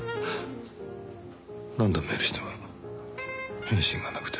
何度メールしても返信がなくて。